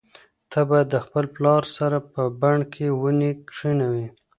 ته باید د خپل پلار سره په بڼ کې ونې کښېنوې.